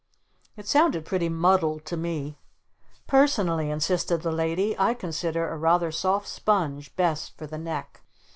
It sounded pretty muddled to me. "Personally," insisted the Lady, "I consider a rather soft sponge best for the neck."